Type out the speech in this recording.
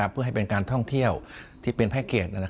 เพื่อให้เป็นการท่องเที่ยวที่เป็นแพ็คเกจ